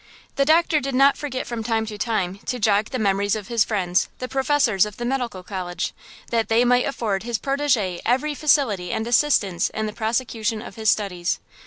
The doctor did not forget from time to time to jog the memories of his friends, the professors of the medical college, that they might afford his protégé every facility and assistance in the prosecution of his studies.